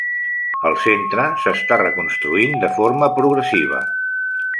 El centre s"està reconstruint de forma progressiva.